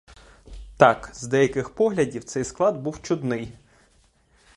Так, з деяких поглядів цей склад був чудний.